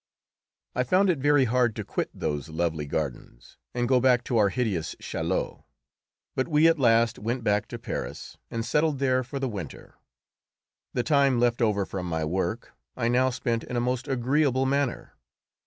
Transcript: I found it very hard to quit those lovely gardens and go back to our hideous Chaillot. But we at last went back to Paris, and settled there for the winter. The time left over from my work I now spent in a most agreeable manner.